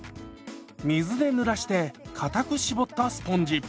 水でぬらしてかたく絞ったスポンジ。